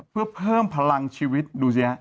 เพื่อเพิ่มพลังชีวิตดูสิฮะ